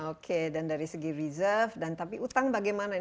oke dan dari segi reserve dan tapi utang bagaimana